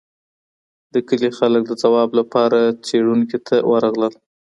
د کلي خلګ د ځواب لپاره څېړونکي ته ورغلل.